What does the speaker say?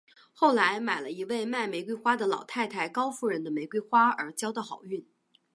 后来买了一位卖玫瑰花的老太太高夫人的玫瑰花而交到好运。